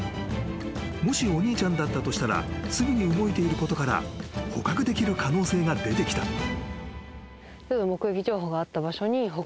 ［もしお兄ちゃんだったとしたらすぐに動いていることから捕獲できる可能性が出てきた］